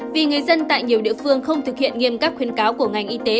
vì người dân tại nhiều địa phương không thực hiện nghiêm các khuyến cáo của ngành y tế